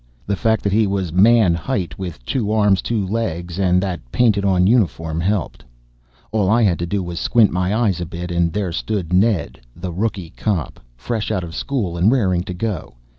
The fact that he was man height with two arms, two legs and that painted on uniform helped. All I had to do was squint my eyes a bit and there stood Ned the Rookie Cop. Fresh out of school and raring to go.